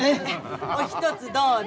おひとつどうぞ。